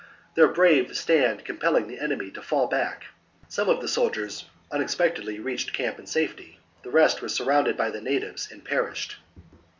Their brave stand compelling the enemy to fall back, some of the soldiers un expectedly reached camp in safety ; the rest were surrounded by the natives and perished.